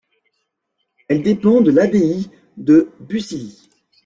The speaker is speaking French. Elle dépend de l'abbaye de Bucilly.